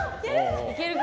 いけるか？